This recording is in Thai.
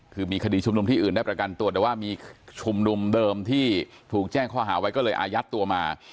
คือมีคดีชุมนุมที่อื่นได้ประกันตัวแต่ว่ามีชุมนุมเดิมที่ถูกแจ้งข้อหาไว้ก็เลยอายัดตัวมา